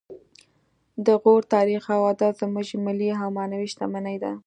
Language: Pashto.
د غور تاریخ او ادب زموږ ملي او معنوي شتمني ده